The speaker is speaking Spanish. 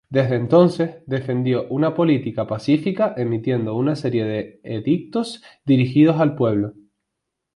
Desde entonces, defendió una política pacífica emitiendo una serie de edictos dirigidos al pueblo.